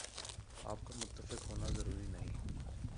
آپ کا متفق ہونا ضروری نہیں ۔